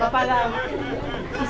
bapak yang bagus